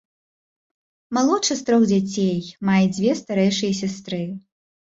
Малодшы з трох дзяцей, мае дзве старэйшыя сястры.